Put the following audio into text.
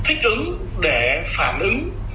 thích ứng để phản ứng